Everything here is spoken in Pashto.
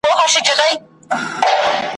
در واري سم ګل اناره چي رانه سې `